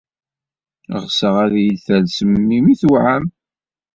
Ɣseɣ ad iyi-d-talsem melmi tuɛam.